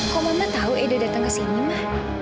kok mama tahu edo datang ke sini mah